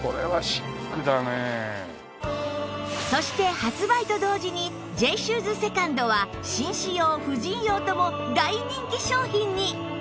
そして発売と同時に Ｊ シューズ ２ｎｄ は紳士用婦人用とも大人気商品に！